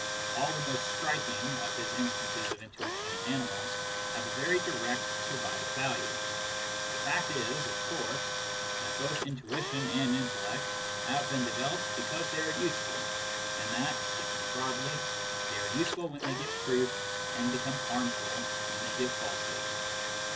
All the most striking of his instances of intuition in animals have a very direct survival value. The fact is, of course, that both intuition and intellect have been developed because they are useful, and that, speaking broadly, they are use ful when they give truth and become harmful when they give falsehood.